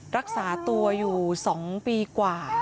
รักษาตัวอยู่๒ปีกว่า